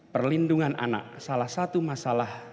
perlindungan anak salah satu masalah